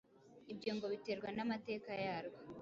Ibyo ngo biterwa n’amateka yarwo